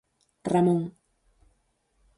Ramón.